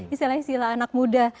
istilah istilah anak muda